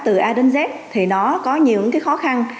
từ a đến z thì nó có nhiều cái khó khăn